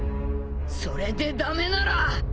それで駄目なら。